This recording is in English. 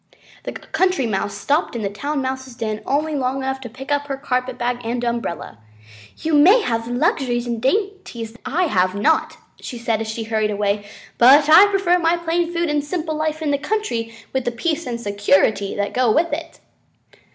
The Country Mouse stopped in the Town Mouse's den only long enough to pick up her carpet bag and umbrella. "You may have luxuries and dainties that I have not," she said as she hurried away, "but I prefer my plain food and simple life in the country with the peace and security that go with it."